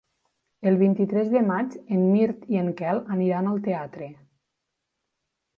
El vint-i-tres de maig en Mirt i en Quel aniran al teatre.